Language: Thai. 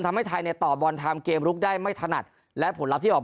ทำให้ไทยเนี่ยต่อบอลทำเกมลุกได้ไม่ถนัดและผลลัพธ์ที่ออก